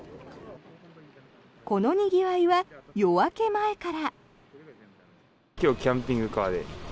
このにぎわいは夜明け前から。